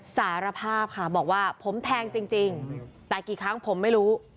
สารภาพค่ะบอกว่าผมแทงจริงแต่กี่ครั้งผมไม่รู้